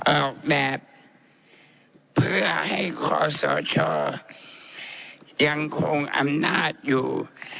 ออกแบบเพื่อให้คอสชยังคงอำนาจอยู่